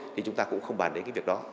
thì chúng ta cũng không bàn đến việc đó